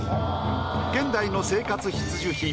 現代の生活必需品。